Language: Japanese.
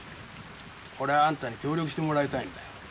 俺はあんたに協力してもらいたいんだよ。